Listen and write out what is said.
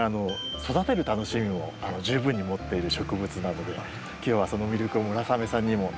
育てる楽しみも十分に持っている植物なので今日はその魅力を村雨さんにも知って頂こうと思います。